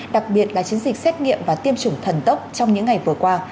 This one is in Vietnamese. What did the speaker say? đặc biệt là chiến dịch xét nghiệm và tiêm chủng thần tốc trong những ngày vừa qua